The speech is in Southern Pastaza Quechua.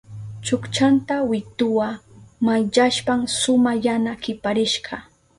Chukchanta wituwa mayllashpan suma yana kiparishka.